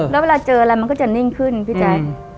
แล้วเวลาเจออะไรมันก็จะนิ่งขึ้นพี่แจ๊ค